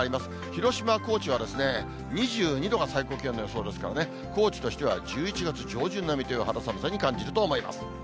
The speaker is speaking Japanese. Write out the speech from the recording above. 広島、高知は２２度が最高気温の予想ですからね、高知としては１１月上旬並みという肌寒さに感じると思います。